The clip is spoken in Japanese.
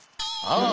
ああ。